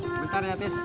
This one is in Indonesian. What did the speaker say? bentar ya tis